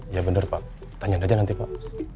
ya bener pak tanya aja nanti pak